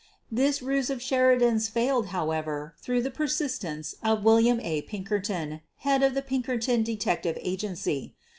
This ruse of Sheridan's failed, however, through the persistence of William A. Pinkerton, head of the Pinkerton Detective Agency.